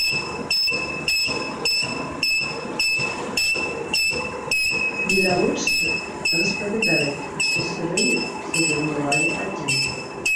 Відавочцы распавядаюць, што сірыец сядзеў на лаве адзін.